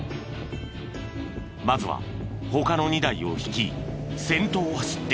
まずは他の２台を率い先頭を走っていた男。